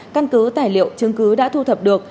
căn cứ tài liệu chứng cứ đã thu thập được